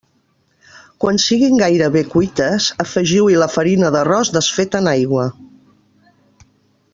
Quan siguin gairebé cuites, afegiu-hi la farina d'arròs desfeta en aigua.